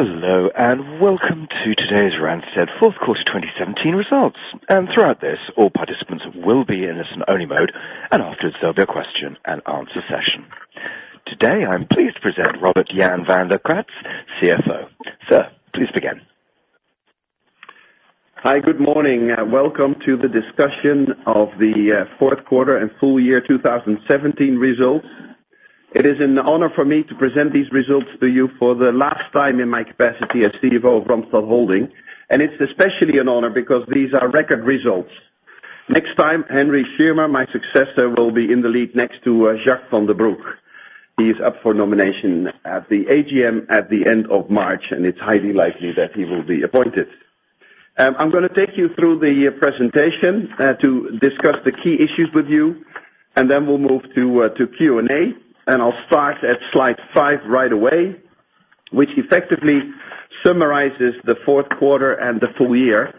Hello, welcome to today's Randstad Fourth Quarter 2017 results. Throughout this, all participants will be in listen only mode, and afterwards there'll be a question and answer session. Today, I'm pleased to present Robert Jan van de Kraats, CFO. Sir, please begin. Hi. Good morning. Welcome to the discussion of the Fourth Quarter and full year 2017 results. It is an honor for me to present these results to you for the last time in my capacity as CFO of Randstad Holding, it's especially an honor because these are record results. Next time, Henry Schirmer, my successor, will be in the lead next to Jacques van den Broek. He is up for nomination at the AGM at the end of March, it's highly likely that he will be appointed. I'm going to take you through the presentation to discuss the key issues with you, then we'll move to Q&A. I'll start at slide five right away, which effectively summarizes the Fourth Quarter and the full year,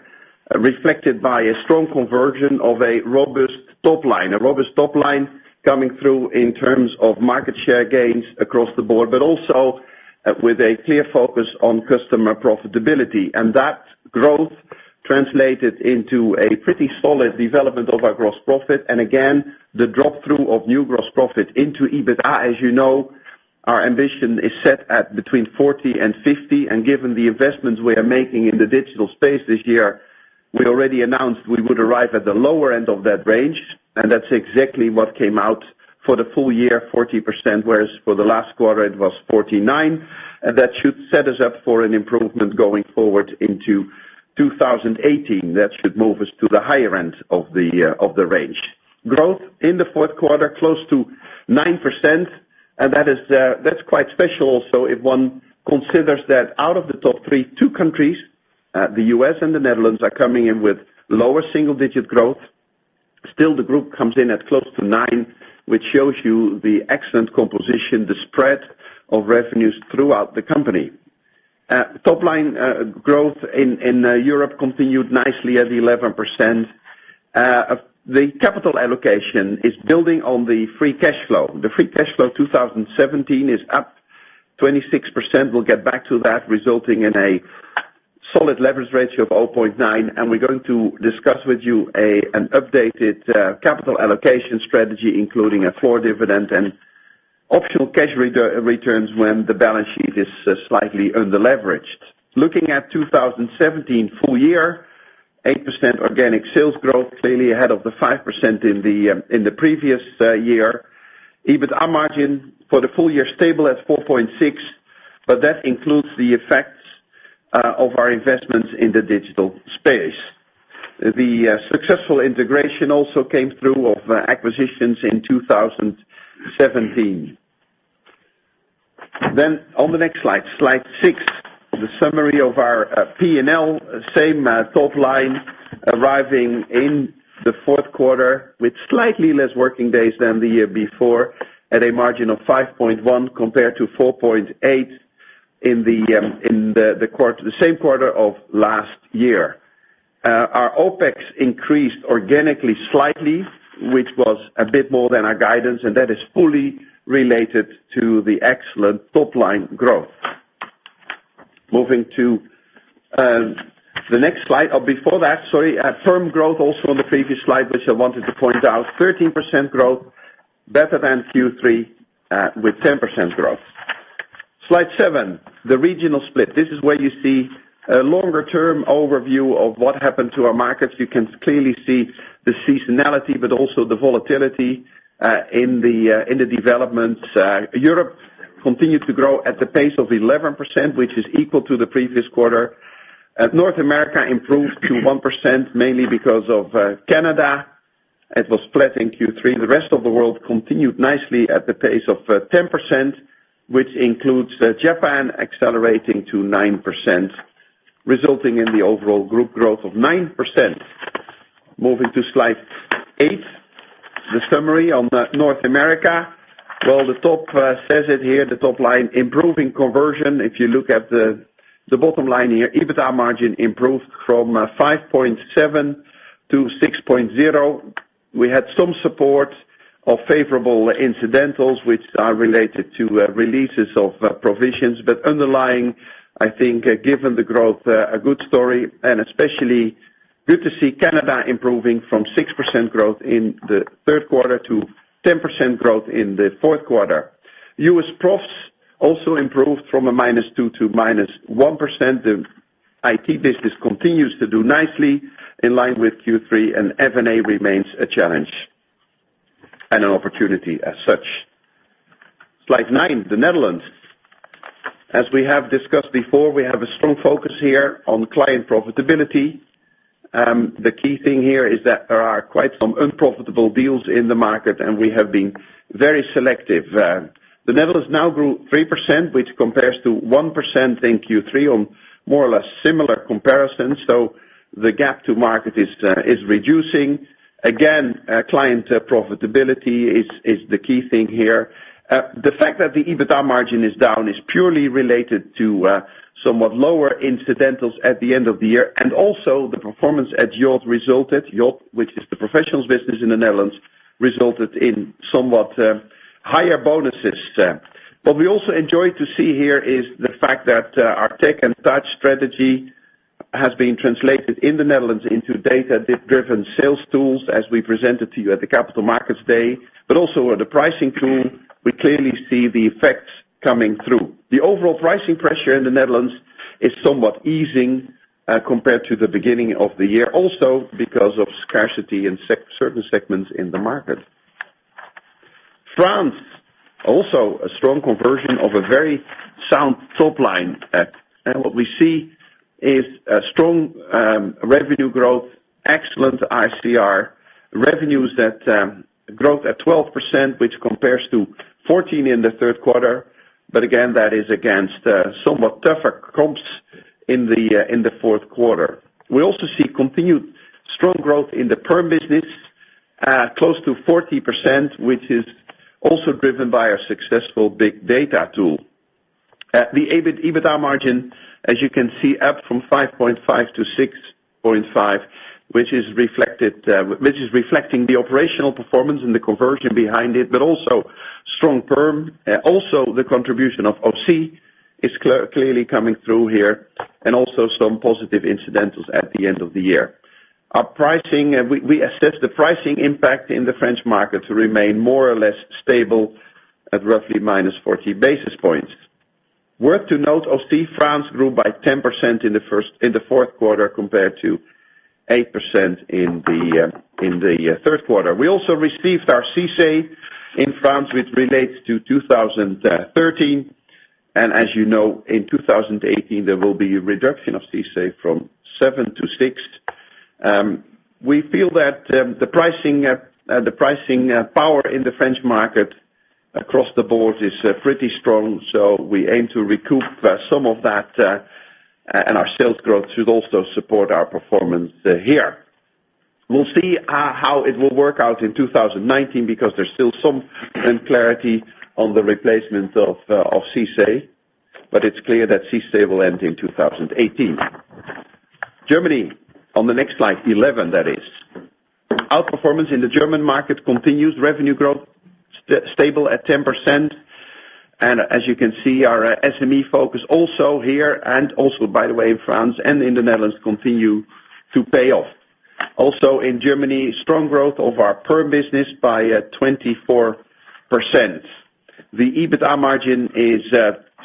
reflected by a strong conversion of a robust top line. A robust top line coming through in terms of market share gains across the board, also with a clear focus on customer profitability. That growth translated into a pretty solid development of our gross profit. Again, the drop-through of new gross profit into EBITDA, as you know, our ambition is set at between 40 and 50, given the investments we are making in the digital space this year, we already announced we would arrive at the lower end of that range, that's exactly what came out for the full year, 40%, whereas for the last quarter it was 49. That should set us up for an improvement going forward into 2018. That should move us to the higher end of the range. Growth in the Fourth Quarter, close to nine%, that's quite special also if one considers that out of the top three, two countries, the U.S. and the Netherlands, are coming in with lower single digit growth. Still, the group comes in at close to nine, which shows you the excellent composition, the spread of revenues throughout the company. Top line growth in Europe continued nicely at 11%. The capital allocation is building on the free cash flow. The free cash flow 2017 is up 26%, we'll get back to that, resulting in a solid leverage ratio of 0.9. We're going to discuss with you an updated capital allocation strategy, including a core dividend and optional cash returns when the balance sheet is slightly underleveraged. Looking at 2017 full year, eight% organic sales growth, clearly ahead of the five% in the previous year. EBITDA margin for the full year stable at 4.6%, but that includes the effects of our investments in the digital space. The successful integration also came through of acquisitions in 2017. On the next slide six, the summary of our P&L. Same top line arriving in the fourth quarter with slightly less working days than the year before, at a margin of 5.1% compared to 4.8% in the same quarter of last year. Our OPEX increased organically slightly, which was a bit more than our guidance, and that is fully related to the excellent top line growth. Moving to the next slide, or before that, sorry, firm growth also on the previous slide, which I wanted to point out, 13% growth, better than Q3 with 10% growth. Slide seven, the regional split. This is where you see a longer term overview of what happened to our markets. You can clearly see the seasonality, but also the volatility in the developments. Europe continued to grow at the pace of 11%, which is equal to the previous quarter. North America improved to 1%, mainly because of Canada. It was flat in Q3. The rest of the world continued nicely at the pace of 10%, which includes Japan accelerating to 9%, resulting in the overall group growth of 9%. Moving to slide eight, the summary on North America. Well, the top says it here, the top line, improving conversion. If you look at the bottom line here, EBITDA margin improved from 5.7% to 6.0%. We had some support of favorable incidentals which are related to releases of provisions. Underlying, I think, given the growth, a good story and especially good to see Canada improving from 6% growth in the third quarter to 10% growth in the fourth quarter. US Profs also improved from -2% to -1%. The IT business continues to do nicely in line with Q3, and F&A remains a challenge and an opportunity as such. Slide nine, the Netherlands. As we have discussed before, we have a strong focus here on client profitability. The key thing here is that there are quite some unprofitable deals in the market, and we have been very selective. The Netherlands now grew 3%, which compares to 1% in Q3 on more or less similar comparisons. The gap to market is reducing. Again, client profitability is the key thing here. The fact that the EBITDA margin is down is purely related to somewhat lower incidentals at the end of the year. Also the performance at Yacht, which is the professionals business in the Netherlands, resulted in somewhat higher bonuses. What we also enjoy to see here is the fact that our tech and touch strategy has been translated in the Netherlands into data-driven sales tools as we presented to you at the Capital Markets Day, also with the pricing tool, we clearly see the effects coming through. The overall pricing pressure in the Netherlands is somewhat easing compared to the beginning of the year, also because of scarcity in certain segments in the market. France, also a strong conversion of a very sound top line. What we see is a strong revenue growth, excellent ICR revenues that growth at 12%, which compares to 14% in the third quarter. Again, that is against somewhat tougher comps in the fourth quarter. We also see continued strong growth in the perm business, close to 40%, which is also driven by our successful big data tool. The EBITDA margin, as you can see, up from 5.5%-6.5%, which is reflecting the operational performance and the conversion behind it, but also strong perm. Also, the contribution of Ausy is clearly coming through here and also some positive incidentals at the end of the year. We assess the pricing impact in the French market to remain more or less stable at roughly minus 40 basis points. Worth to note, Ausy France grew by 10% in the Fourth Quarter compared to 8% in the Third Quarter. We also received our CICE in France, which relates to 2013. As you know, in 2018, there will be a reduction of CICE from seven to six. We feel that the pricing power in the French market across the board is pretty strong. We aim to recoup some of that, and our sales growth should also support our performance here. We will see how it will work out in 2019, because there is still some clarity on the replacement of CICE, but it is clear that CICE will end in 2018. Germany on the next slide, 11 that is. Outperformance in the German market continues revenue growth stable at 10%. As you can see, our SME focus also here and also, by the way, in France and in the Netherlands continue to pay off. Also in Germany, strong growth of our perm business by 24%. The EBITDA margin is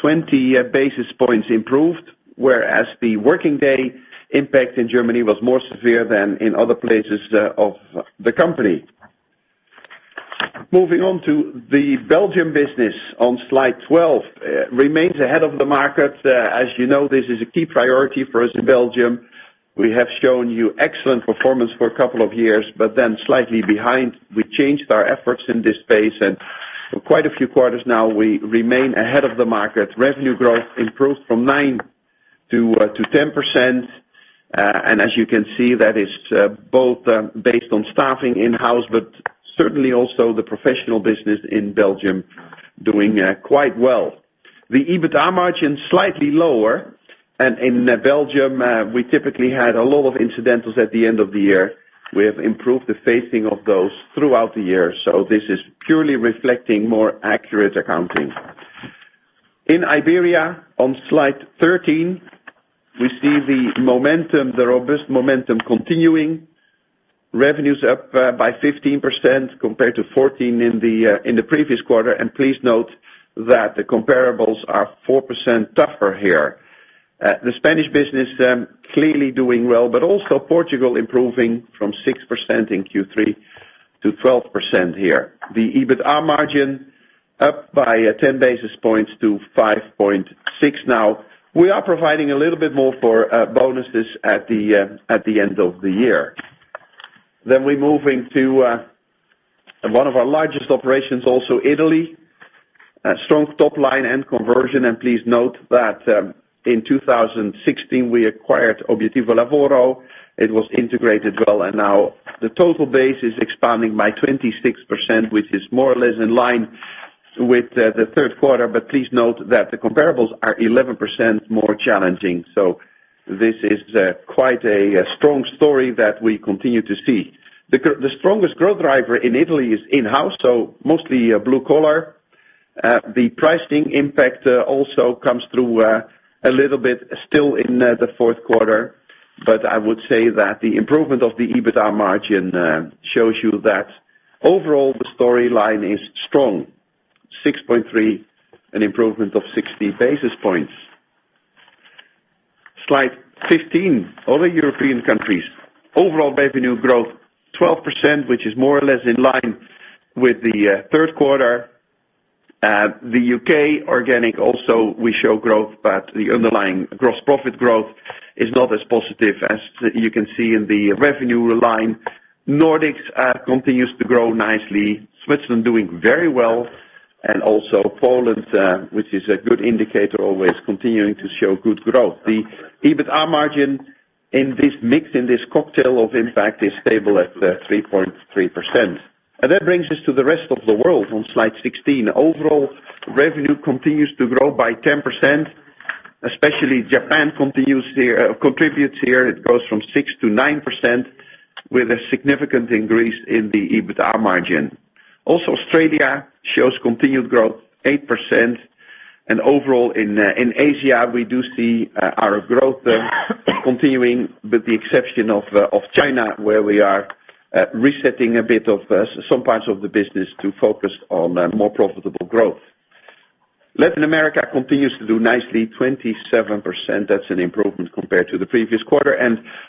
20 basis points improved, whereas the working day impact in Germany was more severe than in other places of the company. Moving on to the Belgium business on slide 12. Remains ahead of the market. As you know, this is a key priority for us in Belgium. We have shown you excellent performance for a couple of years, but then slightly behind. We changed our efforts in this space and for quite a few quarters now, we remain ahead of the market. Revenue growth improved from 9%-10%. As you can see, that is both based on staffing in-house, but certainly also the professional business in Belgium doing quite well. The EBITDA margin slightly lower. In Belgium, we typically had a lot of incidentals at the end of the year. We have improved the phasing of those throughout the year. This is purely reflecting more accurate accounting. In Iberia on slide 13, we see the robust momentum continuing. Revenues up by 15% compared to 14% in the previous quarter. Please note that the comparables are 4% tougher here. The Spanish business clearly doing well, but also Portugal improving from 6% in Q3 to 12% here. The EBITDA margin up by 10 basis points to 5.6% now. We are providing a little bit more for bonuses at the end of the year. Then we are moving to one of our largest operations also, Italy. Strong top line and conversion. Please note that in 2016, we acquired Obiettivo Lavoro. It was integrated well, and now the total base is expanding by 26%, which is more or less in line with the Third Quarter. But please note that the comparables are 11% more challenging. This is quite a strong story that we continue to see. The strongest growth driver in Italy is in-house, so mostly blue collar. The pricing impact also comes through a little bit still in the Fourth Quarter. But I would say that the improvement of the EBITDA margin shows you that overall the storyline is strong, 6.3%, an improvement of 60 basis points. Slide 15. Other European countries. Overall revenue growth 12%, which is more or less in line with the third quarter. The U.K. organic also, we show growth, but the underlying gross profit growth is not as positive as you can see in the revenue line. Nordics continues to grow nicely, Switzerland doing very well. Also Poland, which is a good indicator, always continuing to show good growth. The EBITDA margin in this mix, in this cocktail of impact is stable at 3.3%. That brings us to the rest of the world on slide 16. Overall revenue continues to grow by 10%. Especially Japan contributes here. It grows from 6% to 9% with a significant increase in the EBITDA margin. Also, Australia shows continued growth, 8%. Overall in Asia, we do see our growth continuing, with the exception of China, where we are resetting a bit of some parts of the business to focus on more profitable growth. Latin America continues to do nicely, 27%. That's an improvement compared to the previous quarter.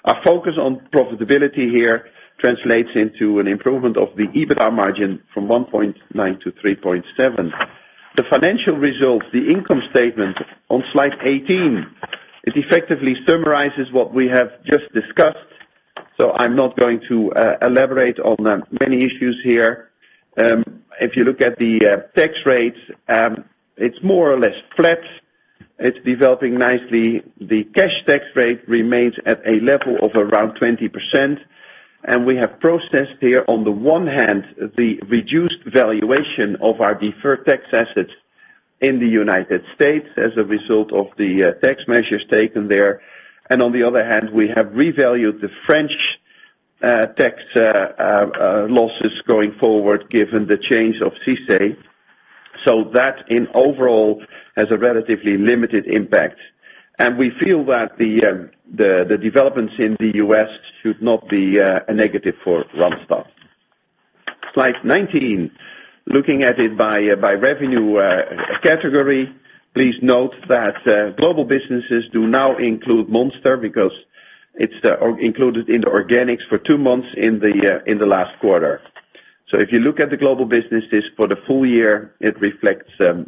Our focus on profitability here translates into an improvement of the EBITDA margin from 1.9% to 3.7%. The financial results, the income statement on slide 18, it effectively summarizes what we have just discussed. I'm not going to elaborate on many issues here. If you look at the tax rates, it's more or less flat. It's developing nicely. The cash tax rate remains at a level of around 20%. We have processed here, on the one hand, the reduced valuation of our deferred tax assets in the United States as a result of the tax measures taken there. On the other hand, we have revalued the French tax losses going forward given the change of CICE. That in overall has a relatively limited impact. We feel that the developments in the U.S. should not be a negative for Randstad. Slide 19. Looking at it by revenue category. Please note that global businesses do now include Monster because it's included in the organics for two months in the last quarter. If you look at the global businesses for the full year, it reflects the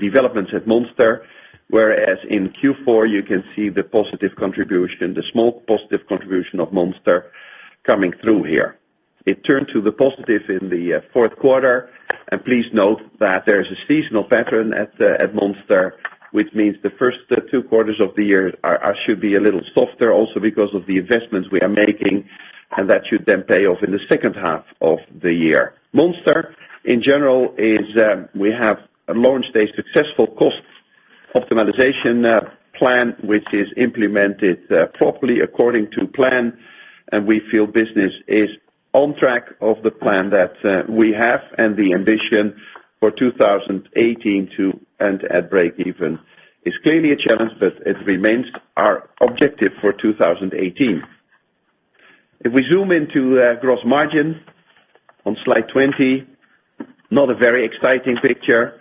developments at Monster, whereas in Q4 you can see the positive contribution, the small positive contribution of Monster coming through here. It turned to the positive in the fourth quarter. Please note that there is a seasonal pattern at Monster, which means the first two quarters of the year should be a little softer also because of the investments we are making, and that should then pay off in the second half of the year. Monster, in general, we have launched a successful cost optimization plan, which is implemented properly according to plan, and we feel business is on track of the plan that we have and the ambition for 2018 to end at break even. It's clearly a challenge, but it remains our objective for 2018. If we zoom into gross margin on slide 20, not a very exciting picture.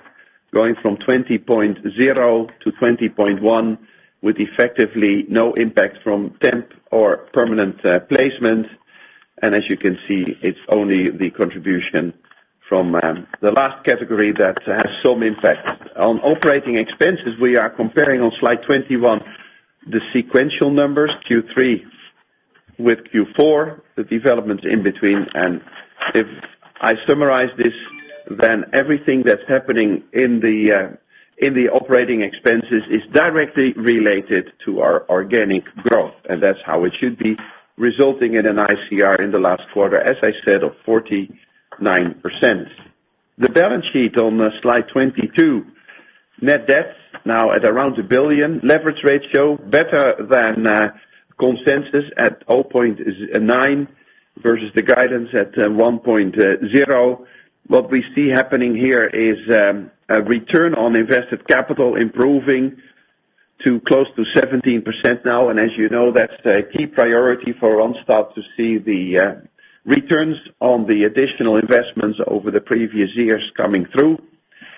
Going from 20.0% to 20.1% with effectively no impact from temp or permanent placement. As you can see, it's only the contribution from the last category that has some impact. On operating expenses, we are comparing on slide 21 the sequential numbers, Q3 with Q4, the developments in between. If I summarize this, everything that is happening in the operating expenses is directly related to our organic growth. That is how it should be, resulting in an ICR in the last quarter, as I said, of 49%. The balance sheet on slide 22. Net debt now at around 1 billion. Leverage ratio better than consensus at 0.9 versus the guidance at 1.0. What we see happening here is a return on invested capital improving to close to 17% now. As you know, that is a key priority for Randstad to see the returns on the additional investments over the previous years coming through.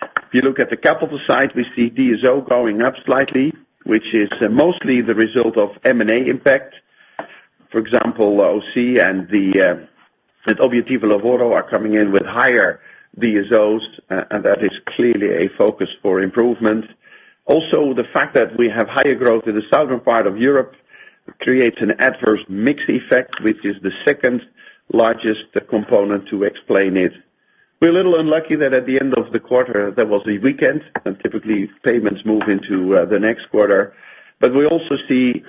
If you look at the capital side, we see DSO going up slightly, which is mostly the result of M&A impact. For example, Ausy and Obiettivo Lavoro are coming in with higher DSOs, that is clearly a focus for improvement. Also, the fact that we have higher growth in the southern part of Europe creates an adverse mix effect, which is the second largest component to explain it. We are a little unlucky that at the end of the quarter, there was a weekend, typically payments move into the next quarter. We also see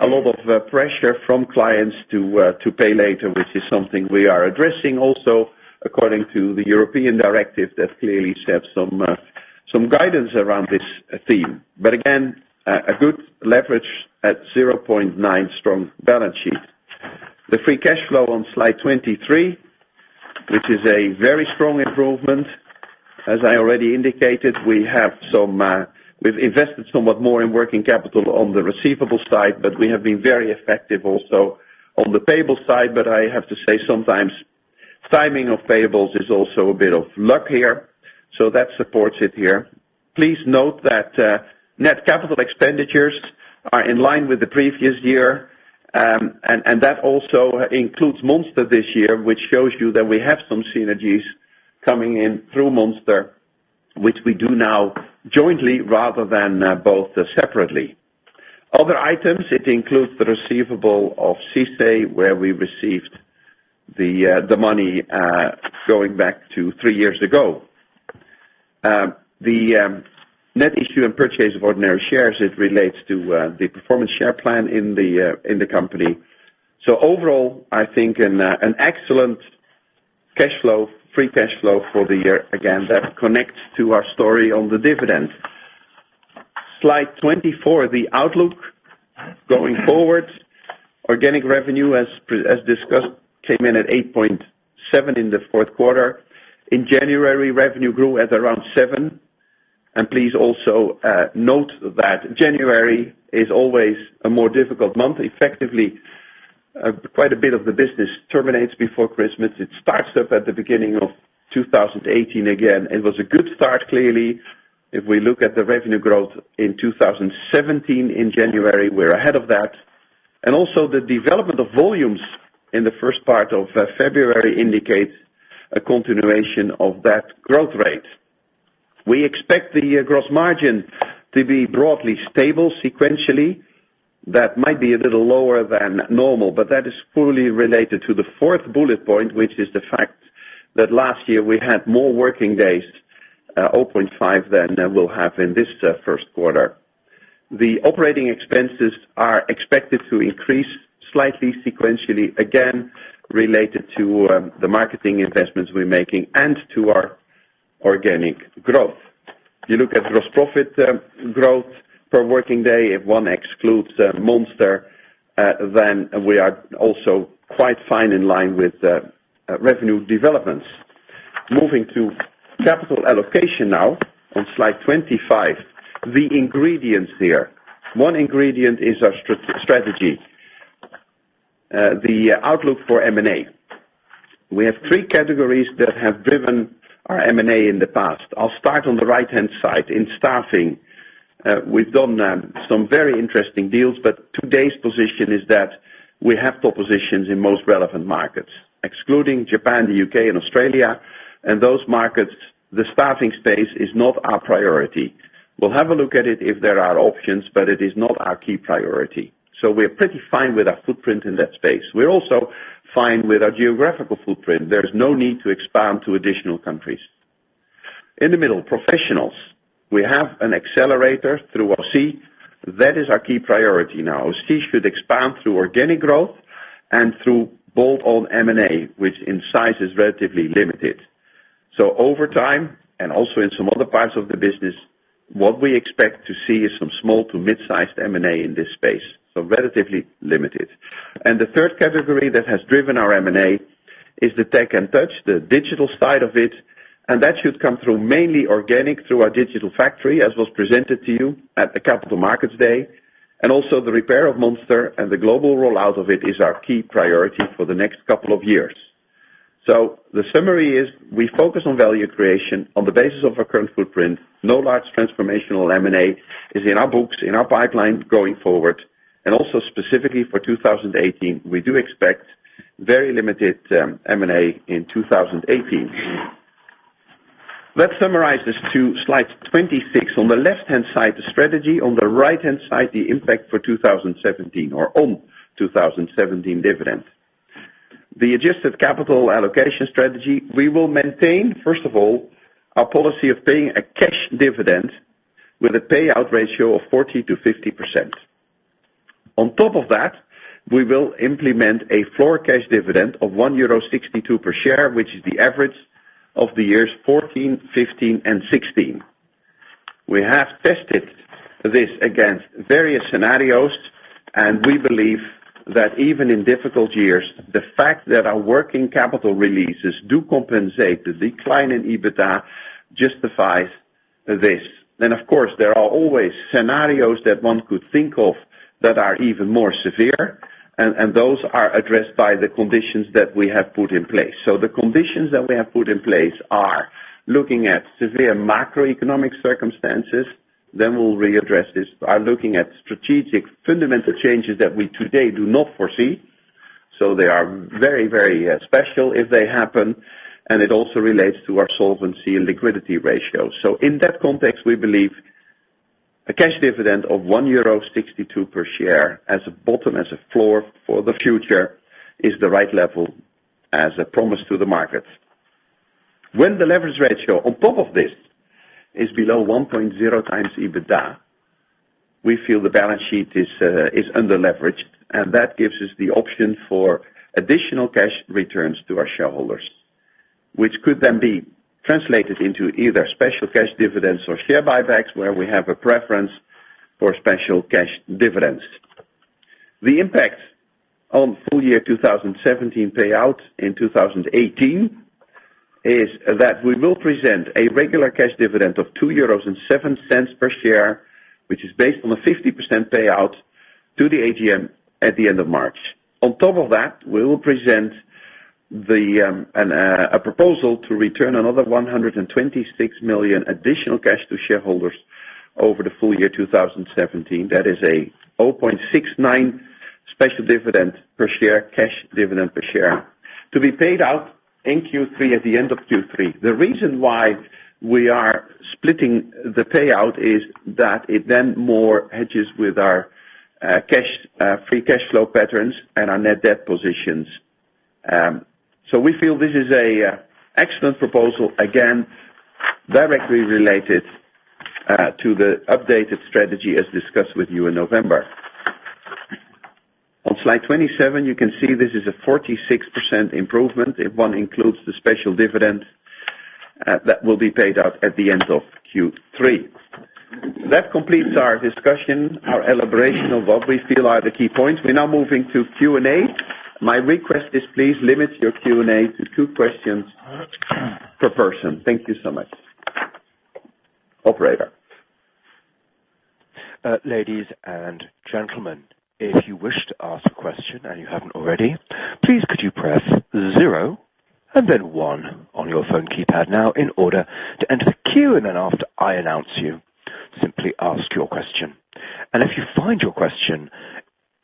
a lot of pressure from clients to pay later, which is something we are addressing also according to the European directive that clearly set some guidance around this theme. A good leverage at 0.9 strong balance sheet. The free cash flow on slide 23, which is a very strong improvement. As I already indicated, we have invested somewhat more in working capital on the receivable side, but we have been very effective also on the payable side. I have to say, sometimes timing of payables is also a bit of luck here. That supports it here. Please note that net capital expenditures are in line with the previous year. That also includes Monster this year, which shows you that we have some synergies coming in through Monster, which we do now jointly rather than both separately. Other items, it includes the receivable of CICE where we received the money going back to three years ago. The net issue and purchase of ordinary shares, it relates to the performance share plan in the company. I think an excellent cash flow, free cash flow for the year. Again, that connects to our story on the dividend. Slide 24, the outlook going forward. Organic revenue, as discussed, came in at 8.7% in the fourth quarter. In January, revenue grew at around 7%. Please also note that January is always a more difficult month. Effectively, quite a bit of the business terminates before Christmas. It starts up at the beginning of 2018 again. It was a good start, clearly. If we look at the revenue growth in 2017, in January, we are ahead of that. The development of volumes in the first part of February indicates a continuation of that growth rate. We expect the gross margin to be broadly stable sequentially. That might be a little lower than normal, but that is fully related to the fourth bullet point, which is the fact that last year we had more working days, 0.5, than we will have in this first quarter. The operating expenses are expected to increase slightly sequentially, again, related to the marketing investments we're making and to our organic growth. If you look at gross profit growth per working day, if one excludes Monster, then we are also quite fine in line with revenue developments. Moving to capital allocation now on slide 25. The ingredients here. One ingredient is our strategy. The outlook for M&A. We have three categories that have driven our M&A in the past. I'll start on the right-hand side in staffing. We've done some very interesting deals, but today's position is that we have top positions in most relevant markets. Excluding Japan, the U.K., and Australia, and those markets, the staffing space is not our priority. We'll have a look at it if there are options, but it is not our key priority. We're pretty fine with our footprint in that space. We're also fine with our geographical footprint. There's no need to expand to additional countries. In the middle, professionals. We have an accelerator through Ausy. That is our key priority now. Ausy should expand through organic growth and through bolt-on M&A, which in size is relatively limited. Over time, and also in some other parts of the business, what we expect to see is some small to mid-sized M&A in this space, so relatively limited. The third category that has driven our M&A is the tech and touch, the digital side of it, and that should come through mainly organic through our Digital Factory, as was presented to you at the Capital Markets Day, and also the repair of Monster and the global rollout of it is our key priority for the next couple of years. The summary is we focus on value creation on the basis of our current footprint. No large transformational M&A is in our books, in our pipeline going forward. Also specifically for 2018, we do expect very limited M&A in 2018. Let's summarize this to slide 26. On the left-hand side, the strategy, on the right-hand side, the impact for 2017 or on 2017 dividend. The adjusted capital allocation strategy, we will maintain, first of all, our policy of paying a cash dividend with a payout ratio of 40%-50%. On top of that, we will implement a floor cash dividend of 1.62 euro per share, which is the average of the years 2014, 2015, and 2016. We have tested this against various scenarios, and we believe that even in difficult years, the fact that our working capital releases do compensate the decline in EBITDA justifies this. Of course, there are always scenarios that one could think of that are even more severe, and those are addressed by the conditions that we have put in place. The conditions that we have put in place are looking at severe macroeconomic circumstances. We'll readdress this by looking at strategic fundamental changes that we today do not foresee. They are very special if they happen, and it also relates to our solvency and liquidity ratio. In that context, we believe a cash dividend of 1.62 euro per share as a bottom, as a floor for the future is the right level as a promise to the market. When the leverage ratio on top of this is below 1.0 times EBITDA, we feel the balance sheet is under leveraged, that gives us the option for additional cash returns to our shareholders, which could then be translated into either special cash dividends or share buybacks, where we have a preference for special cash dividends. The impact on full year 2017 payout in 2018 is that we will present a regular cash dividend of 2.07 euros per share, which is based on a 50% payout to the AGM at the end of March. On top of that, we will present a proposal to return another 126 million additional cash to shareholders over the full year 2017. That is a 0.69 special dividend per share, cash dividend per share, to be paid out in Q3 at the end of Q3. The reason why we are splitting the payout is that it then more hedges with our free cash flow patterns and our net debt positions. We feel this is an excellent proposal, again, directly related to the updated strategy as discussed with you in November. On slide 27, you can see this is a 46% improvement if one includes the special dividend that will be paid out at the end of Q3. That completes our discussion, our elaboration of what we feel are the key points. We're now moving to Q&A. My request is please limit your Q&A to two questions per person. Thank you so much. Operator. Ladies and gentlemen, if you wish to ask a question and you haven't already, please could you press zero and then one on your phone keypad now in order to enter the queue, then after I announce you, simply ask your question. If you find your question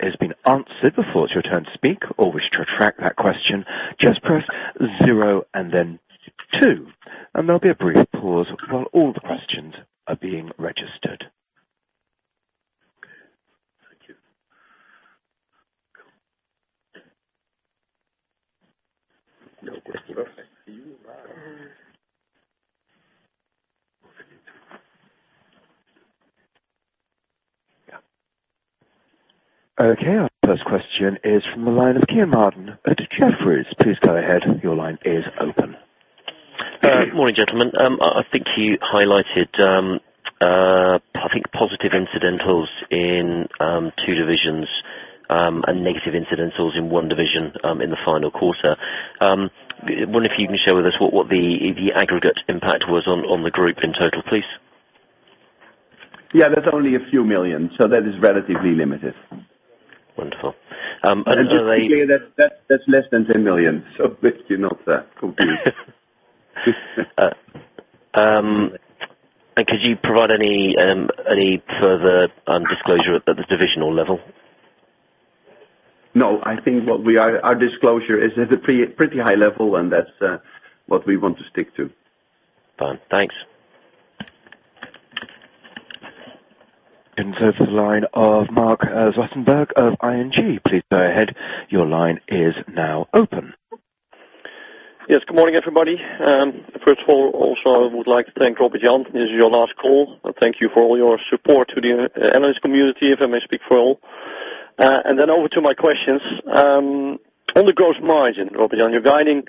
has been answered before it's your turn to speak, or wish to retract that question, just press zero and then two. There'll be a brief pause while all the questions are being registered. Thank you. No questions. Okay. Our first question is from the line of Kean Marden at Jefferies. Please go ahead. Your line is open. Morning, gentlemen. I think you highlighted, I think positive incidentals in two divisions, negative incidentals in one division, in the final quarter. Wonder if you can share with us what the aggregate impact was on the group in total, please? Yeah. That's only a few million EUR, that is relatively limited. Wonderful. Just to be clear, that's less than 10 million, please do not confuse. Could you provide any further disclosure at the divisional level? No, I think our disclosure is at a pretty high level, and that's what we want to stick to. Fine. Thanks. To the line of Marc Zwartsenburg of ING. Please go ahead. Your line is now open. Yes. Good morning, everybody. First of all, also would like to thank Robert Jan. This is your last call. Thank you for all your support to the analyst community, if I may speak for all. Over to my questions. On the gross margin, Robert Jan, you're guiding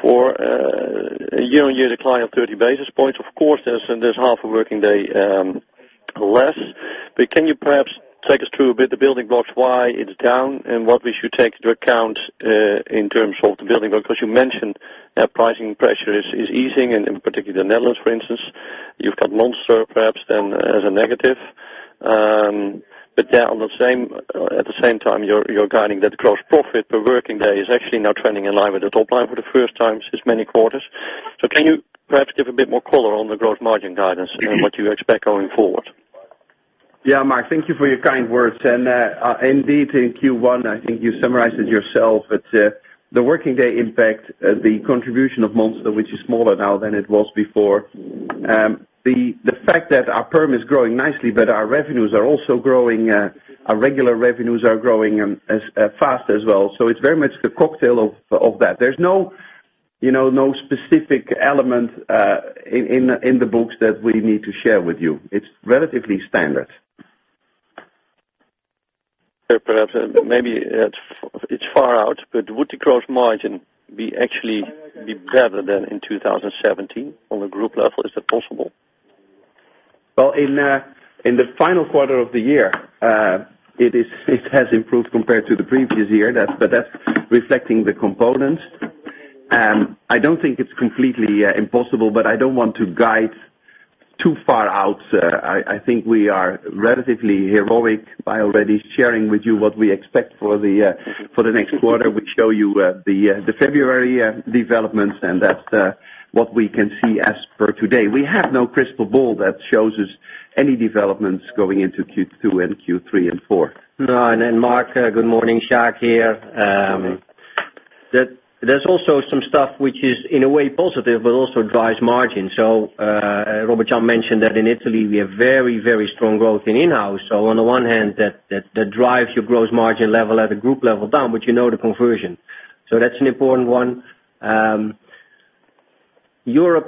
for a year-on-year decline of 30 basis points. Of course, there's half a working day less. Can you perhaps take us through a bit the building blocks, why it's down, and what we should take into account, in terms of the building block? You mentioned pricing pressure is easing, and in particular the Netherlands, for instance, you've got Monster perhaps then as a negative. At the same time, you're guiding that gross profit per working day is actually now trending in line with the top line for the first time since many quarters. Can you perhaps give a bit more color on the gross margin guidance and what you expect going forward? Yeah, Marc. Thank you for your kind words. Indeed in Q1, I think you summarized it yourself, but the working day impact, the contribution of Monster, which is smaller now than it was before. The fact that our perm is growing nicely, but our revenues are also growing, our regular revenues are growing fast as well. It's very much the cocktail of that. There's no specific element in the books that we need to share with you. It's relatively standard. Perhaps, maybe it's far out, but would the gross margin be actually be better than in 2017 on a group level? Is that possible? Well, in the final quarter of the year, it has improved compared to the previous year. That's reflecting the components. I don't think it's completely impossible, but I don't want to guide too far out. I think we are relatively heroic by already sharing with you what we expect for the next quarter. We show you the February developments, and that's what we can see as per today. We have no crystal ball that shows us any developments going into Q2 and Q3 and Q4. No. Marc, good morning. Sjaak here. Good morning. There's also some stuff which is, in a way, positive, but also drives margin. Robert Jan mentioned that in Italy we have very strong growth in in-house. On the one hand that drives your gross margin level at a group level down, but you know the conversion. That's an important one. The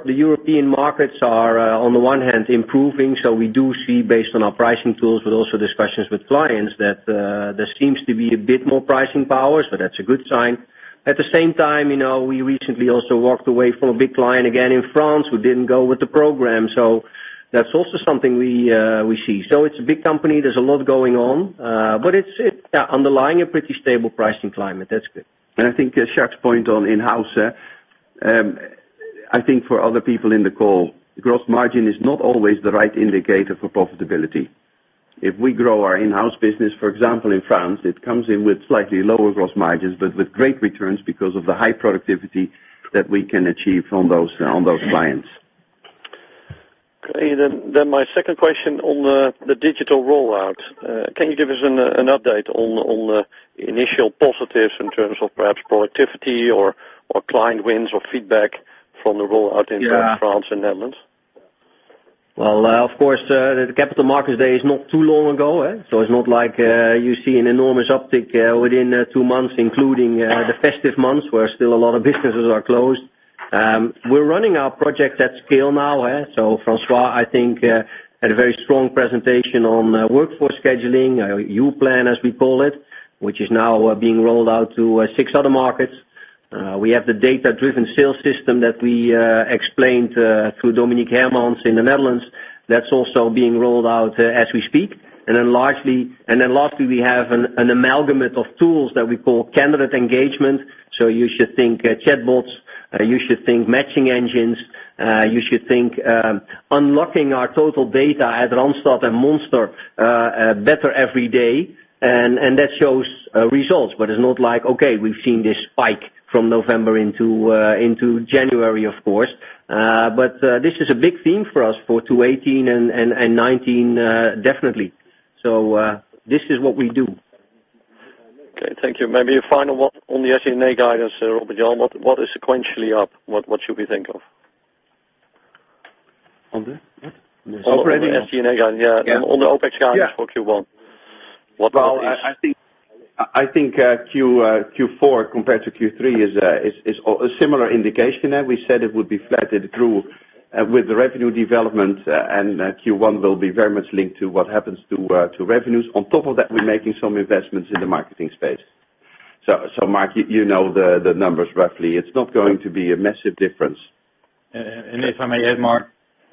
European markets are, on the one hand, improving. We do see based on our pricing tools, but also discussions with clients that there seems to be a bit more pricing power, that's a good sign. At the same time, we recently also walked away from a big client again in France who didn't go with the program. That's also something we see. It's a big company, there's a lot going on, but it's underlying a pretty stable pricing climate. That's good. I think Sjaak's point on in-house. I think for other people in the call, gross margin is not always the right indicator for profitability. If we grow our in-house business, for example, in France, it comes in with slightly lower gross margins, but with great returns because of the high productivity that we can achieve on those clients. Okay. My second question on the digital rollout. Can you give us an update on the initial positives in terms of perhaps productivity or client wins or feedback from the rollout in France and Netherlands? Well, of course, the Capital Markets Day is not too long ago. It's not like you see an enormous uptick within two months, including the festive months, where still a lot of businesses are closed. We're running our projects at scale now. Francois, I think, had a very strong presentation on workforce scheduling, Youplan, as we call it, which is now being rolled out to six other markets. We have the data-driven sales system that we explained through Dominique Hermans in the Netherlands. That's also being rolled out as we speak. Lastly, we have an amalgamate of tools that we call candidate engagement. You should think chatbots, you should think matching engines, you should think unlocking our total data at Randstad and Monster better every day. That shows results, but it's not like, okay, we've seen this spike from November into January of course. This is a big theme for us for 2018 and 2019, definitely. This is what we do. Okay, thank you. Maybe a final one on the SG&A guidance, Robert Jan, what is sequentially up? What should we think of? On the what? On the SG&A guidance, yeah. On the OPEX guidance for Q1. Well, I think Q4 compared to Q3 is a similar indication. We said it would be flat. It grew with the revenue development, and Q1 will be very much linked to what happens to revenues. On top of that, we're making some investments in the marketing space. Marc, you know the numbers roughly. It's not going to be a massive difference. If I may add, Marc,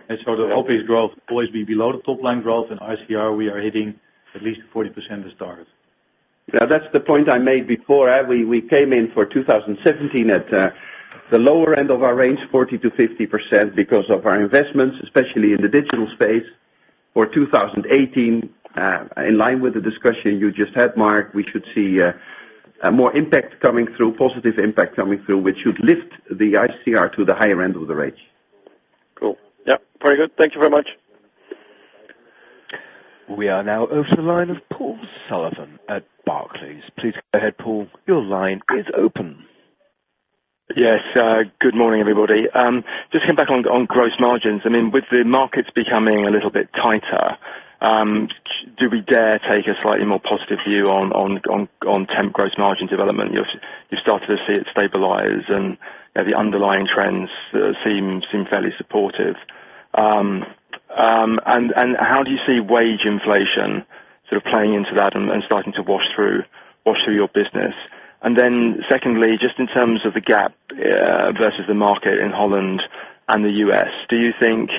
the OPEX growth will always be below the top-line growth, in ICR, we are hitting at least 40% this target. Yeah, that's the point I made before. We came in for 2017 at the lower end of our range, 40%-50%, because of our investments, especially in the digital space. For 2018, in line with the discussion you just had, Marc, we should see more impact coming through, positive impact coming through, which should lift the ICR to the higher end of the range. Cool. Yep, very good. Thank you very much. We are now over to the line of Paul Sullivan at Barclays. Please go ahead, Paul. Your line is open. Yes. Good morning, everybody. Just come back on gross margins. With the markets becoming a little bit tighter, do we dare take a slightly more positive view on temp gross margin development? You've started to see it stabilize and the underlying trends seem fairly supportive. How do you see wage inflation sort of playing into that and starting to wash through your business? Secondly, just in terms of the gap versus the market in Holland and the U.S., do you think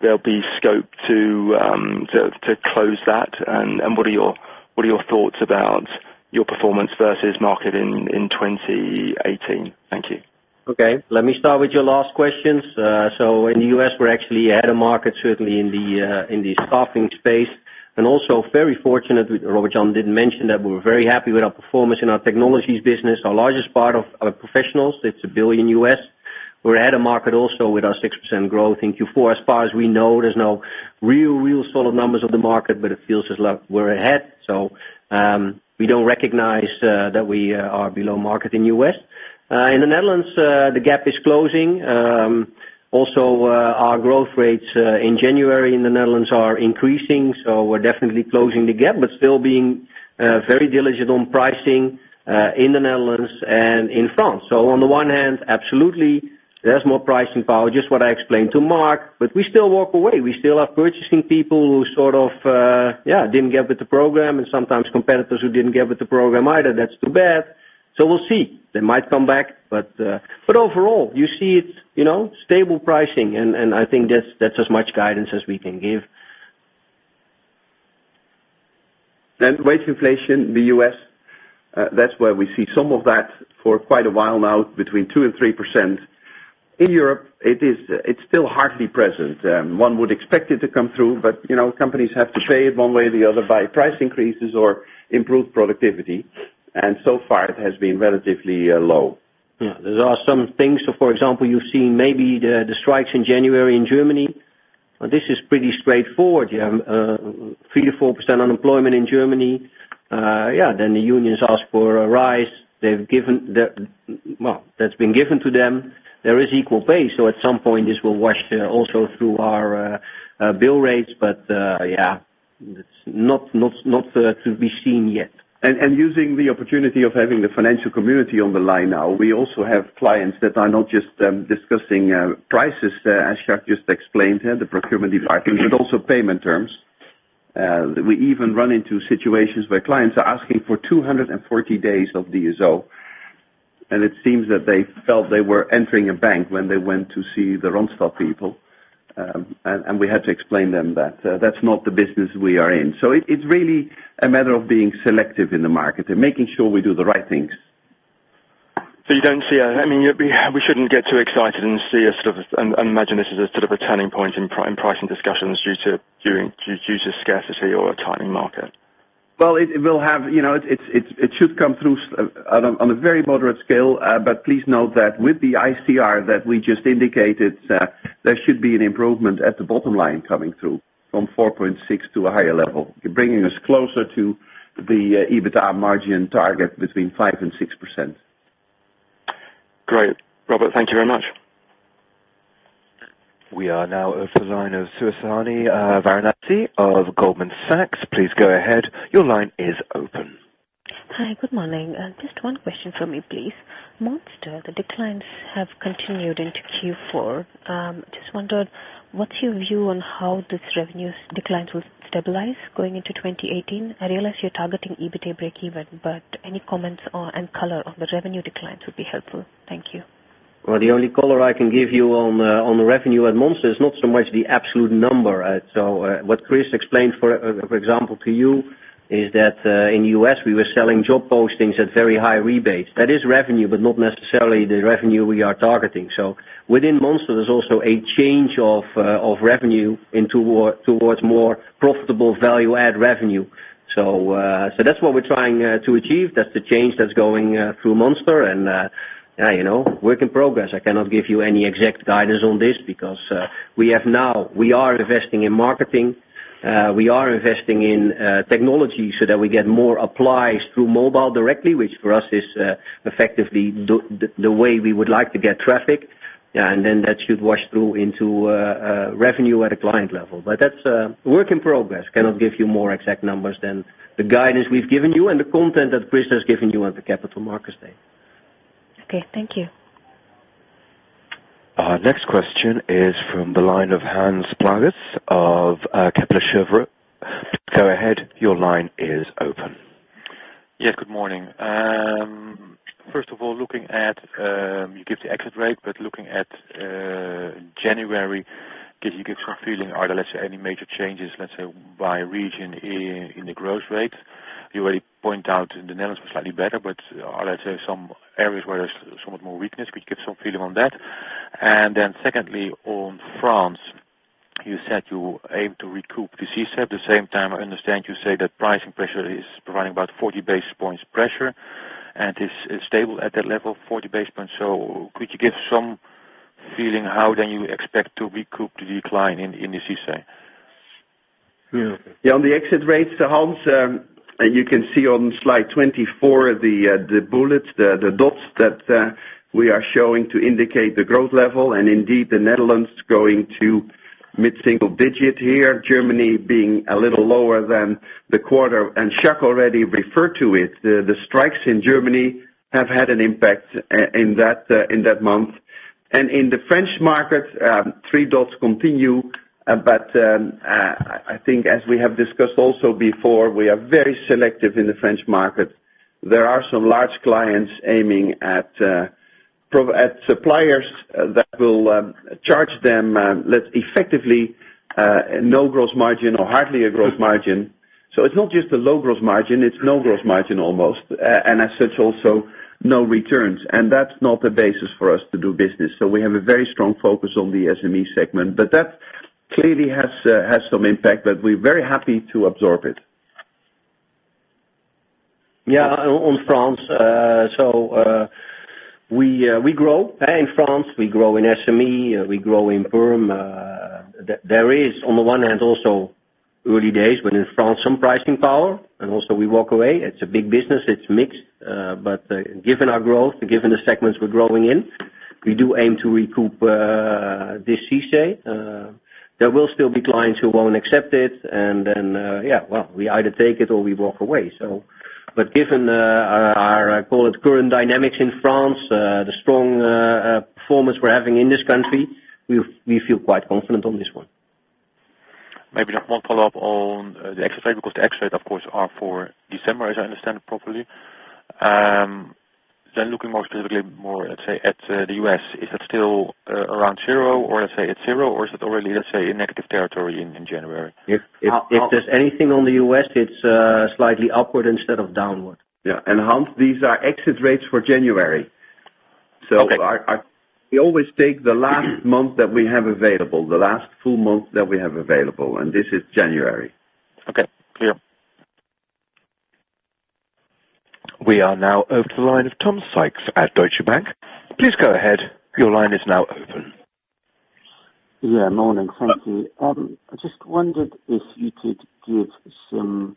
there'll be scope to close that, and what are your thoughts about your performance versus market in 2018? Thank you. Okay. Let me start with your last questions. In the U.S., we're actually ahead of market, certainly in the staffing space, and also very fortunate, Robert Jan did mention that we're very happy with our performance in our technologies business, our largest part of our professionals. It's $1 billion. We're ahead of market also with our 6% growth in Q4. As far as we know, there's no real solid numbers of the market, but it feels as though we're ahead. We don't recognize that we are below market in U.S. In the Netherlands, the gap is closing. Our growth rates in January in the Netherlands are increasing, so we're definitely closing the gap, but still being very diligent on pricing in the Netherlands and in France. On the one hand, absolutely, there's more pricing power, just what I explained to Marc. We still walk away. We still are purchasing people who sort of, yeah, didn't get with the program, and sometimes competitors who didn't get with the program either. That's too bad. We'll see. They might come back. Overall, you see it, stable pricing. I think that's as much guidance as we can give. Wage inflation in the U.S., that's where we see some of that for quite a while now, between 2%-3%. In Europe, it's still hardly present. One would expect it to come through, but companies have to shave one way or the other by price increases or improved productivity. So far it has been relatively low. There are some things. For example, you've seen maybe the strikes in January in Germany. This is pretty straightforward. You have 3%-4% unemployment in Germany. Then the unions ask for a rise. Well, that's been given to them. There is equal pay, so at some point this will wash also through our bill rates. It's not to be seen yet. Using the opportunity of having the financial community on the line now, we also have clients that are not just discussing prices, as Jacques just explained, the procurement department, but also payment terms. We even run into situations where clients are asking for 240 days of DSO, and it seems that they felt they were entering a bank when they went to see the Randstad people. We had to explain them that that's not the business we are in. It's really a matter of being selective in the market and making sure we do the right things. You don't see a We shouldn't get too excited and imagine this as a sort of a turning point in pricing discussions due to scarcity or a tightening market? Well, it should come through on a very moderate scale. Please note that with the ICR that we just indicated, there should be an improvement at the bottom line coming through from 4.6% to a higher level, bringing us closer to the EBITDA margin target between 5% and 6%. Great. Robert, thank you very much. We are now open line of Suhasini Varanasi of Goldman Sachs. Please go ahead. Your line is open. Hi. Good morning. Just one question from me, please. Monster, the declines have continued into Q4. Just wondered, what's your view on how this revenue declines will stabilize going into 2018? I realize you're targeting EBITA breakeven, but any comments on and color on the revenue declines would be helpful. Thank you. Well, the only color I can give you on the revenue at Monster is not so much the absolute number. What Chris explained, for example, to you is that in U.S. we were selling job postings at very high rebates. That is revenue, but not necessarily the revenue we are targeting. Within Monster, there's also a change of revenue towards more profitable value-add revenue. That's what we're trying to achieve. That's the change that's going through Monster. Work in progress. I cannot give you any exact guidance on this because we are investing in marketing. We are investing in technology so that we get more applies through mobile directly, which for us is effectively the way we would like to get traffic. That should wash through into revenue at a client level. That's a work in progress. Cannot give you more exact numbers than the guidance we've given you and the content that Chris has given you at the Capital Markets Day. Okay, thank you. Our next question is from the line of Hans Pluijgers of Kepler Cheuvreux. Go ahead. Your line is open. Yes, good morning. First of all, you give the exit rate. Looking at January, could you give some feeling, are there any major changes by region in the growth rate? You already point out the Netherlands was slightly better. Are there some areas where there's somewhat more weakness? Could give some feeling on that. Secondly, on France, you said you aim to recoup the CICE. At the same time, I understand you say that pricing pressure is providing about 40 basis points pressure and is stable at that level, 40 basis points. Could you give some feeling how then you expect to recoup the decline in the CICE? Yeah. On the exit rates, Hans, you can see on slide 24, the bullets, the dots that we are showing to indicate the growth level. Indeed, the Netherlands going to mid-single digit here, Germany being a little lower than the quarter, and Jacques already referred to it. The strikes in Germany have had an impact in that month. In the French market, 3 dots continue. I think as we have discussed also before, we are very selective in the French market. There are some large clients aiming at suppliers that will charge them, less effectively, no gross margin or hardly a gross margin. It's not just a low gross margin, it's no gross margin almost. As such, also no returns. That's not the basis for us to do business. We have a very strong focus on the SME segment. That clearly has some impact, but we're very happy to absorb it. Yeah. On France, we grow in France. We grow in SME, we grow in PERM. There is, on the one hand, also early days. In France, some pricing power, we also walk away. It's a big business, it's mixed. Given our growth, given the segments we're growing in, we do aim to recoup this CICE. There will still be clients who won't accept it and then, yeah, well, we either take it or we walk away. Given our, call it, current dynamics in France, the strong performance we're having in this country, we feel quite confident on this one. Maybe just 1 follow-up on the exit rate, because the exit rate, of course, are for December, as I understand it properly. Looking more specifically at the U.S., is it still around 0 or is it 0 or is it already in negative territory in January? If there's anything on the U.S., it's slightly upward instead of downward. Yeah. Hans, these are exit rates for January. Okay. We always take the last month that we have available, the last full month that we have available, this is January. Okay. Clear. We are now open the line of Tom Sykes at Deutsche Bank. Please go ahead. Your line is now open. Morning. Thank you. I just wondered if you could give some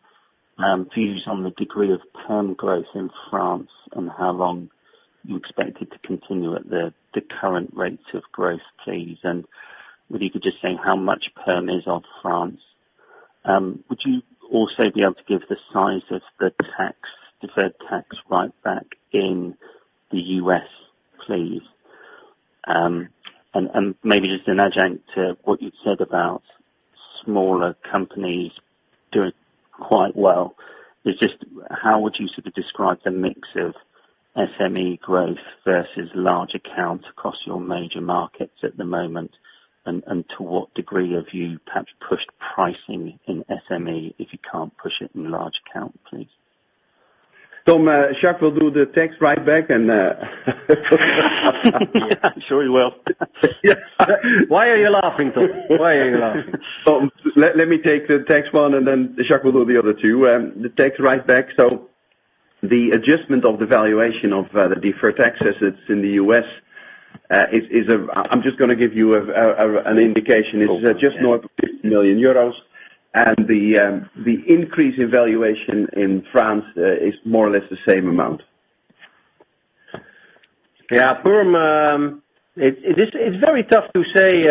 views on the degree of term growth in France and how long you expect it to continue at the current rates of growth, please. Whether you could just say how much PERM is of France. Would you also be able to give the size of the deferred tax right back in the U.S., please? Maybe just an adjunct to what you said about smaller companies doing quite well is just how would you sort of describe the mix of SME growth versus large accounts across your major markets at the moment, and to what degree have you perhaps pushed pricing in SME if you can't push it in large account, please? Tom, Jacques will do the tax right back. I'm sure he will. Why are you laughing, Tom? Why are you laughing? Let me take the tax one, and then Jacques will do the other two. The tax right back. The adjustment of the valuation of the deferred taxes in the U.S., I'm just going to give you an indication. It's just north of 50 million euros and the increase in valuation in France is more or less the same amount. Perm, it's very tough to say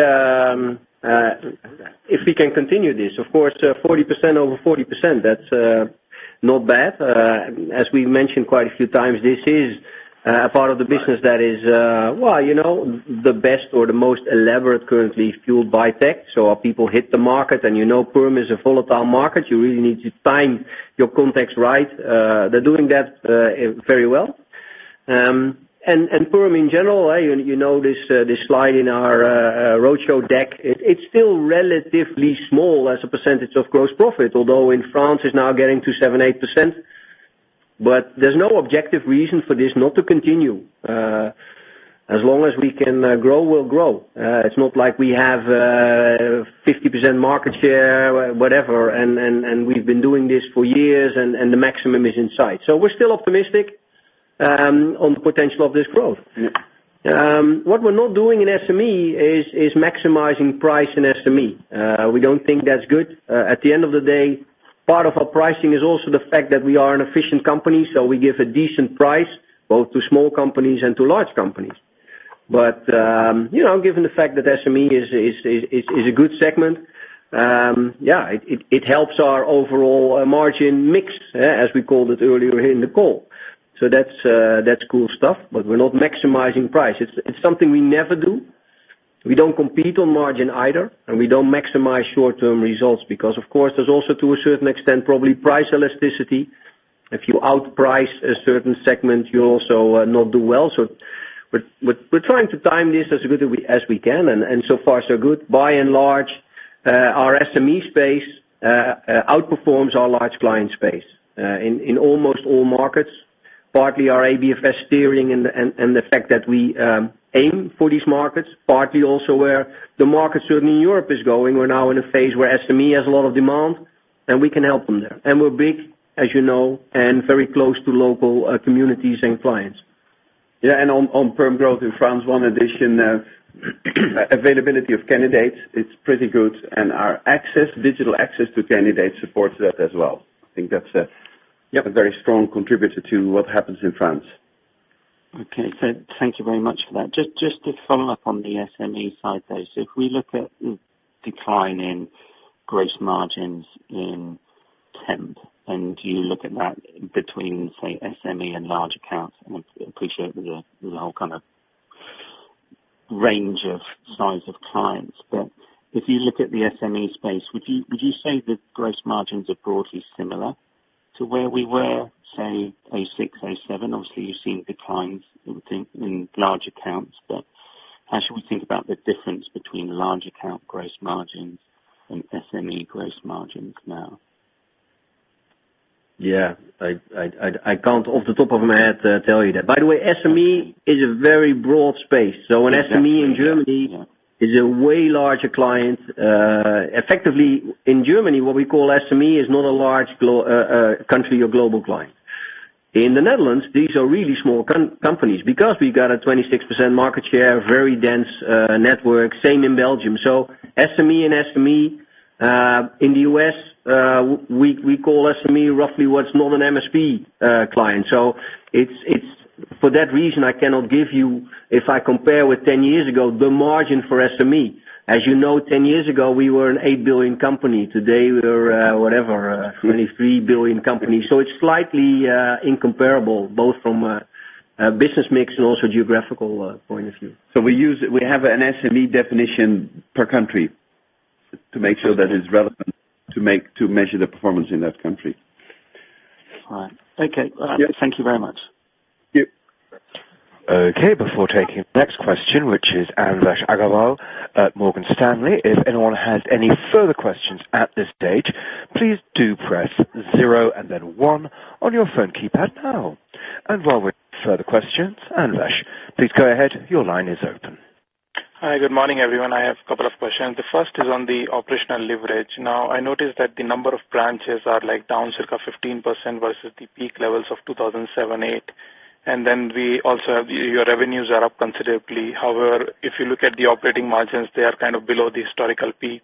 if we can continue this. Of course, 40% over 40%, that's not bad. As we mentioned quite a few times, this is a part of the business that is the best or the most elaborate currently fueled by tech. Our people hit the market, and you know Perm is a volatile market. You really need to time your contacts right. They're doing that very well. Perm, in general, you know this slide in our roadshow deck, it's still relatively small as a percentage of gross profit, although in France it's now getting to 7%-8%. There's no objective reason for this not to continue. As long as we can grow, we'll grow. It's not like we have 50% market share, whatever, and we've been doing this for years, and the maximum is in sight. We're still optimistic on the potential of this growth. What we're not doing in SME is maximizing price in SME. We don't think that's good. At the end of the day, part of our pricing is also the fact that we are an efficient company, so we give a decent price both to small companies and to large companies. Given the fact that SME is a good segment, yeah, it helps our overall margin mix, as we called it earlier in the call. That's cool stuff, but we're not maximizing price. It's something we never do. We don't compete on margin either, and we don't maximize short-term results because, of course, there's also, to a certain extent, probably price elasticity. If you outprice a certain segment, you also will not do well. We're trying to time this as good as we can, and so far, so good. By and large, our SME space outperforms our large client space in almost all markets, partly our ABFS steering and the fact that we aim for these markets, partly also where the market, certainly in Europe, is going. We're now in a phase where SME has a lot of demand, and we can help them there. We're big, as you know, and very close to local communities and clients. Yeah. On Perm growth in France, one addition of availability of candidates, it's pretty good, and our digital access to candidates supports that as well. I think that's. Yep very strong contributor to what happens in France. Okay. Thank you very much for that. Just to follow up on the SME side, though. If we look at the decline in gross margins in temp, and you look at that between, say, SME and large accounts, and appreciate the whole kind of range of size of clients. If you look at the SME space, would you say the gross margins are broadly similar to where we were, say, 2006, 2007? Obviously, you've seen declines within, in large accounts, but how should we think about the difference between large account gross margins and SME gross margins now? Yeah. I can't off the top of my head tell you that. By the way, SME is a very broad space. Exactly, yeah. An SME in Germany is a way larger client. Effectively, in Germany, what we call SME is not a large country or global client. In the Netherlands, these are really small companies because we got a 26% market share, very dense network. Same in Belgium. SME and SME. In the U.S., we call SME roughly what is not an MSP client. It is for that reason I cannot give you, if I compare with 10 years ago, the margin for SME. As you know, 10 years ago, we were an 8 billion company. Today, we are a, whatever, an 23 billion company. It is slightly incomparable, both from a business mix and also geographical point of view. We have an SME definition per country to make sure that it is relevant to measure the performance in that country. All right. Okay. Yep. Thank you very much. Yep. Okay, before taking the next question, which is Anvesh Agrawal at Morgan Stanley, if anyone has any further questions at this stage, please do press zero and then one on your phone keypad now. While we wait for further questions, Anvesh, please go ahead. Your line is open. Hi. Good morning, everyone. I have a couple of questions. The first is on the operational leverage. I noticed that the number of branches are down circa 15% versus the peak levels of 2007, 2008. We also have your revenues are up considerably. However, if you look at the operating margins, they are kind of below the historical peak.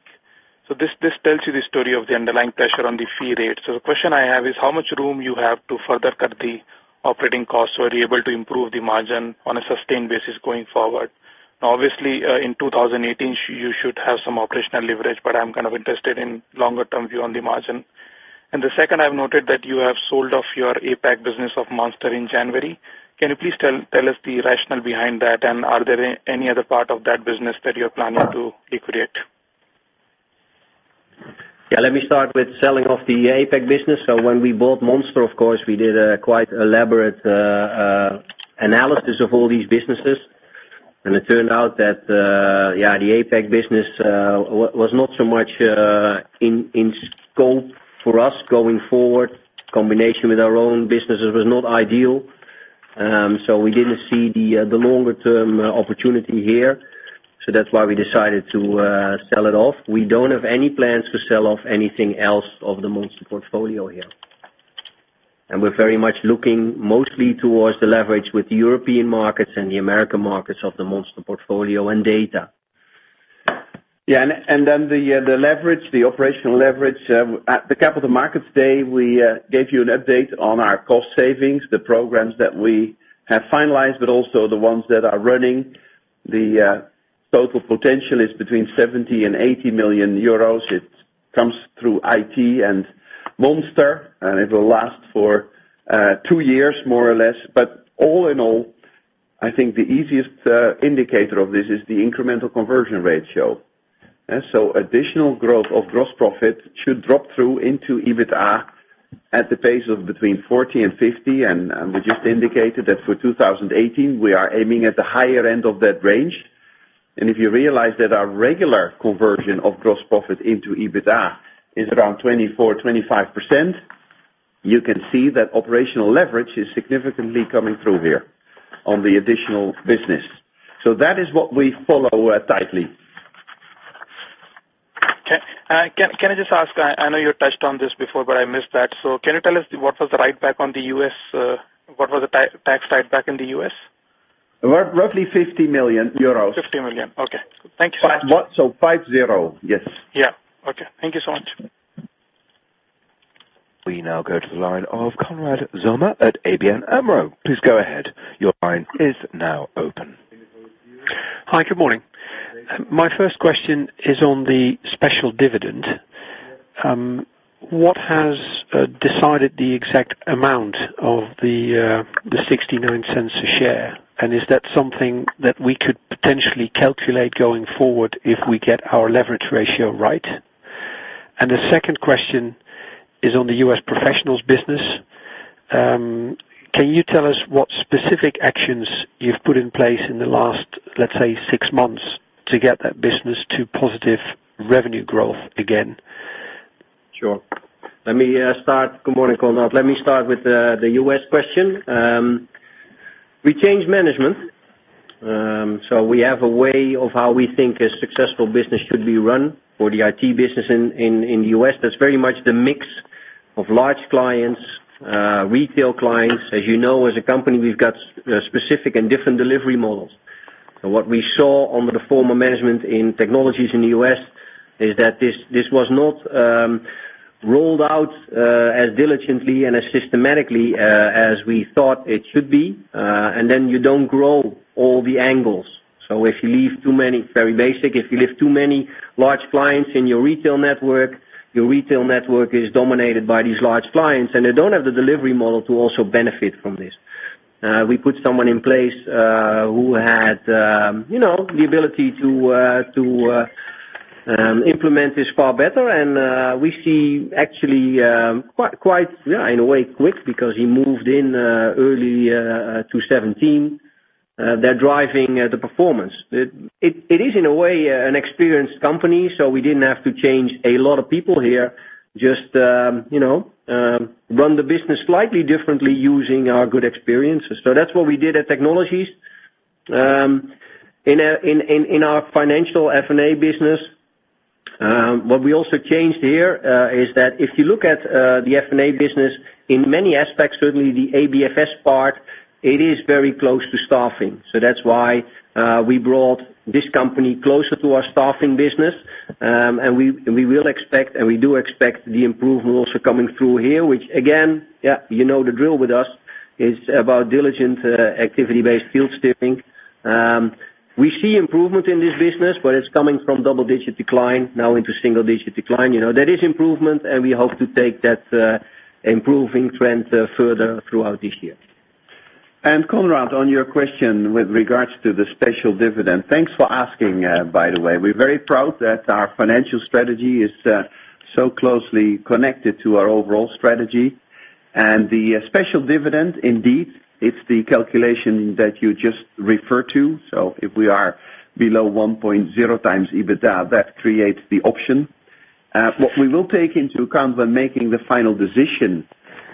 This tells you the story of the underlying pressure on the fee rate. The question I have is, how much room you have to further cut the operating costs, so are you able to improve the margin on a sustained basis going forward? Obviously, in 2018, you should have some operational leverage, but I'm kind of interested in longer term view on the margin. The second, I've noted that you have sold off your APAC business of Monster in January. Can you please tell us the rationale behind that, are there any other part of that business that you're planning to liquidate? Let me start with selling off the APAC business. When we bought Monster, of course, we did a quite elaborate analysis of all these businesses, it turned out that the APAC business was not so much in scope for us going forward. Combination with our own businesses was not ideal. We didn't see the longer-term opportunity here. That's why we decided to sell it off. We don't have any plans to sell off anything else of the Monster portfolio here. We're very much looking mostly towards the leverage with the European markets and the American markets of the Monster portfolio and data. The operational leverage. At the Capital Markets Day, we gave you an update on our cost savings, the programs that we have finalized, but also the ones that are running. The total potential is between 70 million and 80 million euros. It comes through IT and Monster, and it will last for two years, more or less. All in all, I think the easiest indicator of this is the incremental conversion ratio. Additional growth of gross profit should drop through into EBITDA at the pace of between 40% and 50%. We just indicated that for 2018, we are aiming at the higher end of that range. If you realize that our regular conversion of gross profit into EBITDA is around 24%, 25%, you can see that operational leverage is significantly coming through here on the additional business. That is what we follow tightly. Okay. Can I just ask, I know you touched on this before, but I missed that. Can you tell us what was the write back on the U.S.? What was the tax write back in the U.S.? Roughly 50 million euros. 50 million. Okay. Thank you so much. five, zero. Yes. Yeah. Okay. Thank you so much. We now go to the line of Konrad Zomer at ABN AMRO. Please go ahead. Your line is now open. Hi. Good morning. My first question is on the special dividend. What has decided the exact amount of the 0.69 a share? Is that something that we could potentially calculate going forward if we get our leverage ratio right? The second question is on the US professionals business. Can you tell us what specific actions you've put in place in the last, let's say, six months to get that business to positive revenue growth again? Sure. Good morning, Konrad. Let me start with the U.S. question. We changed management, so we have a way of how we think a successful business should be run for the IT business in the U.S. That's very much the mix of large clients, retail clients. As you know, as a company, we've got specific and different delivery models. What we saw under the former management in technologies in the U.S. is that this was not rolled out as diligently and as systematically as we thought it should be. Then you don't grow all the angles. It's very basic. If you leave too many large clients in your retail network, your retail network is dominated by these large clients, and they don't have the delivery model to also benefit from this. We put someone in place who had the ability to implement this far better. We see actually, in a way quick, because he moved in early 2017. They're driving the performance. It is in a way, an experienced company, so we didn't have to change a lot of people here. Just run the business slightly differently using our good experiences. That's what we did at technologies. In our financial F&A business, what we also changed here is that if you look at the F&A business in many aspects, certainly the ABFS part, it is very close to staffing. That's why we brought this company closer to our staffing business. We will expect and we do expect the improvement also coming through here, which again, you know the drill with us. It's about diligent activity-based field steering. We see improvement in this business, but it's coming from double-digit decline now into single-digit decline. There is improvement, and we hope to take that improving trend further throughout this year. Konrad, on your question with regards to the special dividend, thanks for asking, by the way. We're very proud that our financial strategy is so closely connected to our overall strategy. The special dividend, indeed, it's the calculation that you just referred to. If we are below 1.0 times EBITDA, that creates the option. What we will take into account when making the final decision,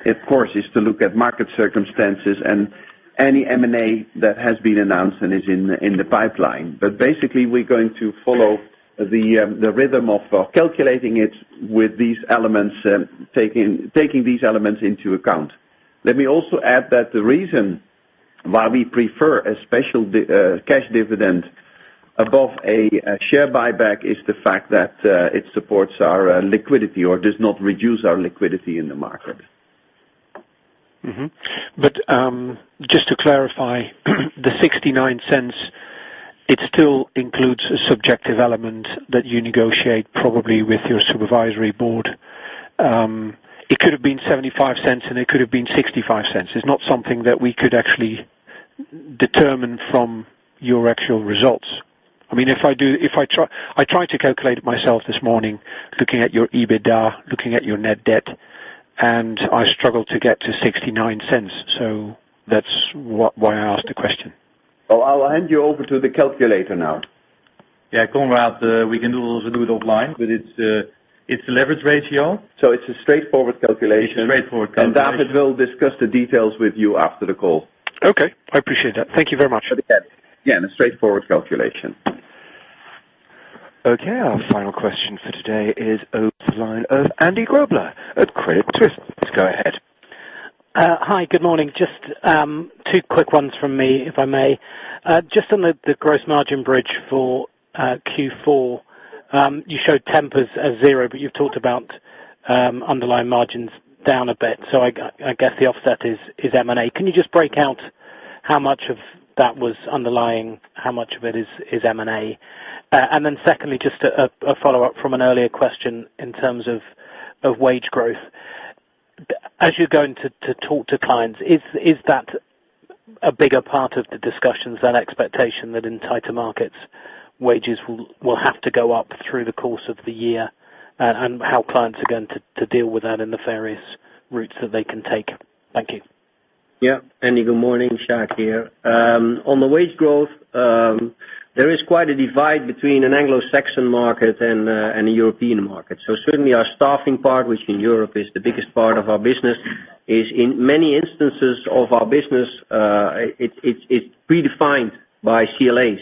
of course, is to look at market circumstances and any M&A that has been announced and is in the pipeline. Basically, we're going to follow the rhythm of calculating it with these elements, taking these elements into account. Let me also add that the reason why we prefer a special cash dividend above a share buyback is the fact that it supports our liquidity or does not reduce our liquidity in the market. Mm-hmm. Just to clarify, the 0.69, it still includes a subjective element that you negotiate probably with your supervisory board. It could have been 0.75, and it could have been 0.65. It is not something that we could actually determine from your actual results. I tried to calculate it myself this morning, looking at your EBITDA, looking at your net debt, and I struggled to get to 0.69. That is why I asked the question. Well, I will hand you over to the calculator now. Yeah, Konrad, we can also do it offline, it is a leverage ratio. It is a straightforward calculation. It is a straightforward calculation. David will discuss the details with you after the call. Okay. I appreciate that. Thank you very much. Yeah, a straightforward calculation. Okay. Our final question for today is over to the line of Andy Grobler at Credit Suisse. Go ahead. Hi, good morning. Just two quick ones from me, if I may. Just on the gross margin bridge for Q4, you showed temp as zero, but you've talked about underlying margins down a bit. I guess the offset is M&A. Can you just break out how much of that was underlying? How much of it is M&A? Secondly, just a follow-up from an earlier question in terms of wage growth. As you're going to talk to clients, is that a bigger part of the discussions and expectation that in tighter markets, wages will have to go up through the course of the year, and how clients are going to deal with that in the various routes that they can take? Thank you. Yeah. Andy, good morning. Jacques here. On the wage growth, there is quite a divide between an Anglo-Saxon market and a European market. Certainly our staffing part, which in Europe is the biggest part of our business, is in many instances of our business, it's predefined by CLAs.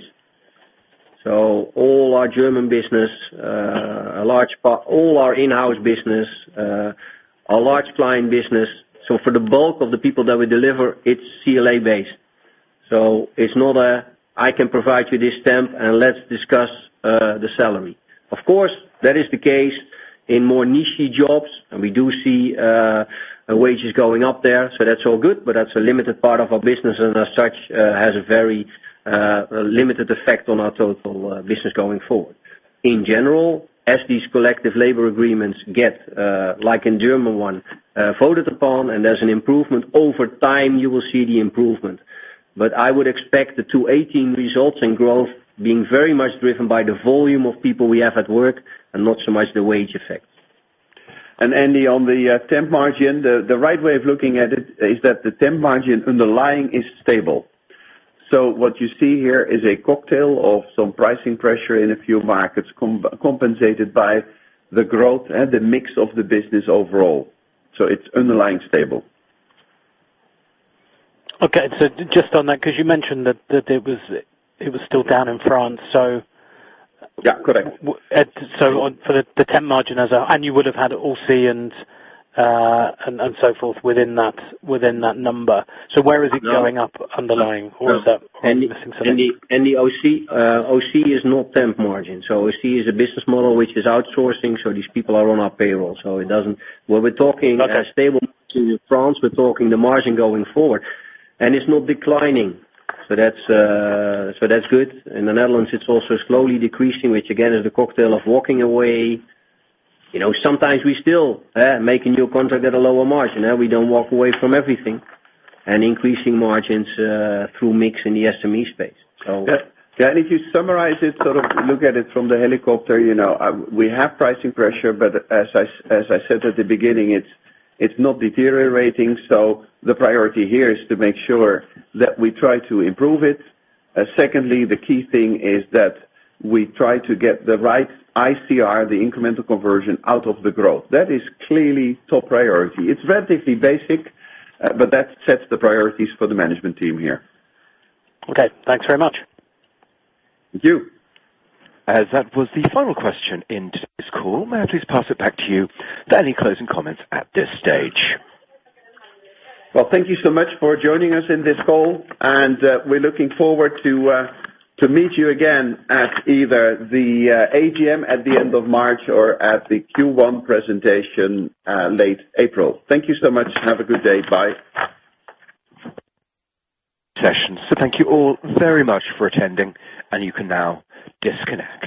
All our German business, all our in-house business, our large client business. For the bulk of the people that we deliver, it's CLA-based. It's not a, "I can provide you this temp and let's discuss the salary." Of course, that is the case in more niche-y jobs, and we do see wages going up there. That's all good, but that's a limited part of our business, and as such, has a very limited effect on our total business going forward. In general, as these collective labor agreements get, like in German one, voted upon, and there's an improvement, over time, you will see the improvement. I would expect the 2018 results and growth being very much driven by the volume of people we have at work and not so much the wage effect. Andy, on the temp margin, the right way of looking at it is that the temp margin underlying is stable. What you see here is a cocktail of some pricing pressure in a few markets compensated by the growth and the mix of the business overall. It's underlying stable. Okay. Just on that, because you mentioned that it was still down in France. Yeah, correct. For the temp margin and you would have had Ausy and so forth within that number. Where is it going up underlying? Or is that missing something? Andy, Ausy is not temp margin. Ausy is a business model which is outsourcing. These people are on our payroll. When we're talking stable in France, we're talking the margin going forward. It's not declining. That's good. In the Netherlands, it's also slowly decreasing, which again, is a cocktail of walking away. Sometimes we still make a new contract at a lower margin. We don't walk away from everything. Increasing margins through mix in the SME space. Yeah. If you summarize it, sort of look at it from the helicopter, we have pricing pressure, but as I said at the beginning, it's not deteriorating. The priority here is to make sure that we try to improve it. Secondly, the key thing is that we try to get the right ICR, the incremental conversion, out of the growth. That is clearly top priority. It's relatively basic, but that sets the priorities for the management team here. Okay, thanks very much. Thank you. As that was the final question in today's call, may I please pass it back to you for any closing comments at this stage? Well, thank you so much for joining us in this call. We're looking forward to meet you again at either the AGM at the end of March or at the Q1 presentation late April. Thank you so much and have a good day. Bye. Session. Thank you all very much for attending and you can now disconnect.